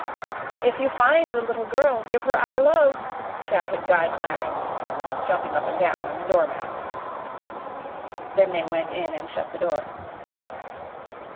"If you find the little girl, give her our love," shouted Guy Clarence, jumping up and down on the door mat. Then they went in and shut the door.